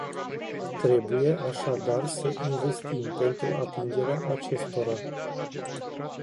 Trebuie așadar să investim pentru atingerea acestora.